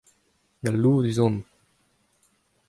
Galloudus on.